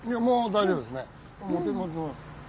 もう大丈夫ですね。